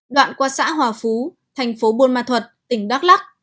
đoạn qua xã hòa phú thành phố buôn ma thuật tỉnh đắk lắc